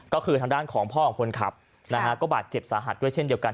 ก็คือทางด้านของพ่อของคนขับนะฮะก็บาดเจ็บสาหัสด้วยเช่นเดียวกัน